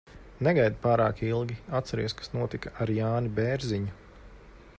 Negaidi pārāk ilgi. Atceries, kas notika ar Jāni Bērziņu?